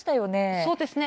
そうですね。